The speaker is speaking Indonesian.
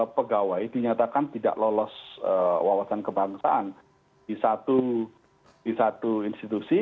pegawai dinyatakan tidak lolos kewawasan kebangsaan di satu institusi